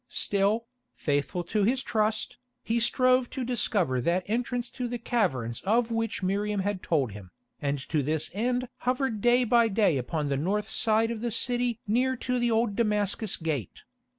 Still, faithful to his trust, he strove to discover that entrance to the caverns of which Miriam had told him, and to this end hovered day by day upon the north side of the city near to the old Damascus Gate.